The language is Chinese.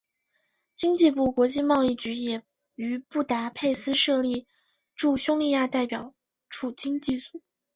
经济部国际贸易局也于布达佩斯设立驻匈牙利代表处经济组。